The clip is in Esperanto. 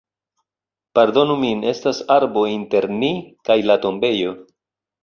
Pardonu min, estas arbo inter ni kaj la tombejo